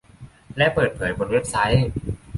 และเปิดเผยบนเว็บไซต์